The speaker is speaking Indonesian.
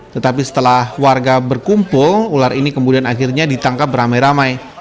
tetapi setelah warga berkumpul ular ini kemudian akhirnya ditangkap beramai ramai